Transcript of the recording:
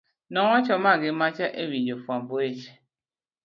nowacho ma gi macha e wi jofwamb weche